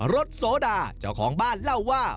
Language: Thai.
รถโสดาเจ้าของบ้านเล่าว่า